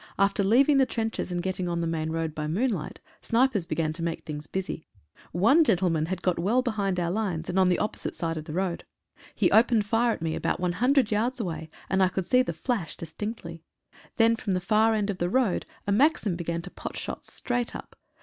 After leaving the trenches and getting on the main road by moonlight, snipers began to make things busy. One gentlemen had got well behind our lines, and on the opposite side of the road. He opened fire at me about one hundred yards away, and I could see the flash dis tinctly. Then from the far end of the road a maxim began to pot shots straight up.